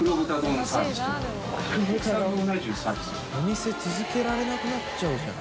お店続けられなくなっちゃうじゃん。